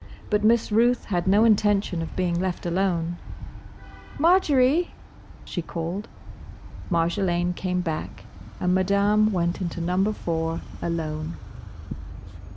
But Miss Ruth had no intention of being left alone. "Marjory!" she called. Marjolaine came back; and Madame went into Number Four alone.